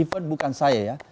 even bukan saya ya